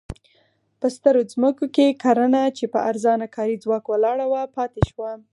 په سترو ځمکو کې کرنه چې پر ارزانه کاري ځواک ولاړه وه پاتې شوه.